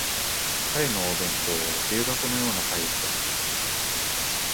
彼のお弁当は重箱のようなサイズだった